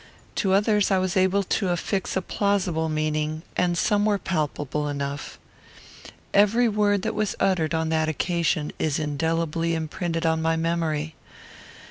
To others I was able to affix a plausible meaning, and some were palpable enough. Every word that was uttered on that occasion is indelibly imprinted on my memory.